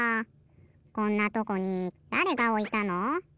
こんなとこにだれがおいたの？